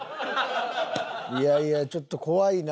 いやいやちょっと怖いな。